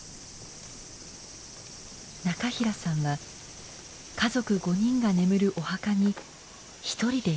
中平さんは家族５人が眠るお墓に１人でやって来ました。